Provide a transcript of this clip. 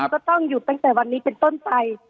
ก็ต้องหยุดตั้งแต่วันนี้เป็นต้นไป